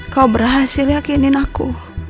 kamu berhasil meyakinkan aku